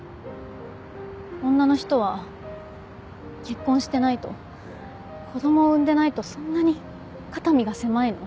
女の人は結婚してないと子供を産んでないとそんなに肩身が狭いの？